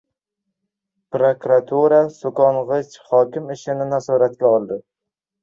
Prokuratura so‘kong‘ich hokim “ishi”ni nazoratga oldi